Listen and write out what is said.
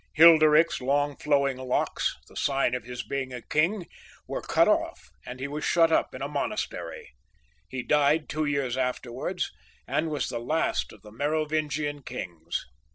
Hilderik's long flowing locks, the sign of his being a king, were cut off, and he was shut up in a monastery. He died two years afterwards, and was the last of the Merovingian kings.